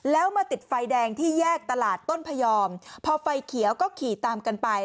แล้วมาติดไฟแดงที่แยกตลาดต้นพยอมพอไฟเขียวก็ขี่ตามกันไป